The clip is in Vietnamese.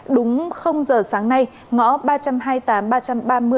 đúng giờ sáng nay ngõ ba trăm hai mươi tám bhcm